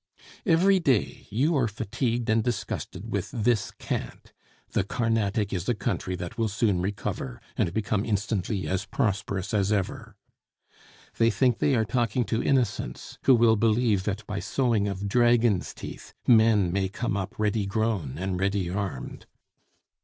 Every day you are fatigued and disgusted with this cant: "The Carnatic is a country that will soon recover, and become instantly as prosperous as ever." They think they are talking to innocents, who will believe that by sowing of dragons' teeth, men may come up ready grown and ready armed.